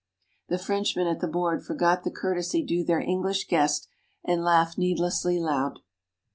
The Frenchmen at the board forgot the courtesy due their English guest, and laughed needlessly loud.